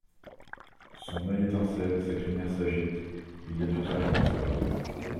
Son oeil étincelle, sa crinière s'agite ; il y a du tonnerre dans sa voix.